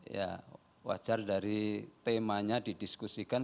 ya wajar dari temanya didiskusikan